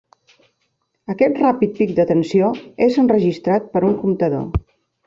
Aquest ràpid pic de tensió és enregistrat per un comptador.